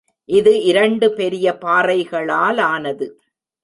இது இரண்டு பெரிய பாறைகளாலானது.